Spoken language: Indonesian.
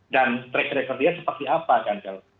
dan re rekodnya seperti apa kan gel